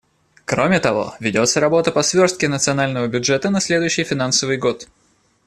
Кроме того, ведется работа по сверстке национального бюджета на следующий финансовый год.